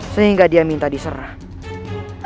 sehingga dia minta diserang